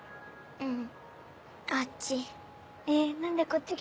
うん。